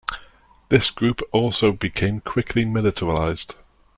This group also became quickly militarized.